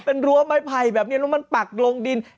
เป็นรั้วไม้ไผ่แบบนี้แล้วมันปักลงดิน